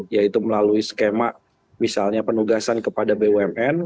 yaitu melalui skema misalnya penugasan kepada bumn